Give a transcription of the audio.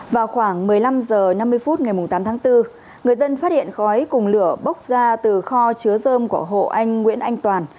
vào khoảng một mươi năm h năm mươi phút ngày tám tháng bốn người dân phát hiện khói cùng lửa bốc ra từ kho chứa dơm của hộ anh nguyễn anh toàn